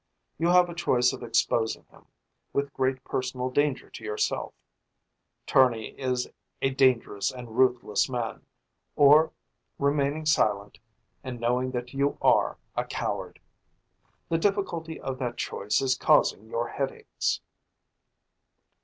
You have a choice of exposing him, with great personal danger to yourself Tournay is a dangerous and ruthless man or remaining silent and knowing that you are a coward. The difficulty of that choice is causing your headaches."